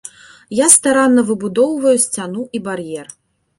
Я старанна выбудоўваю сцяну і бар'ер.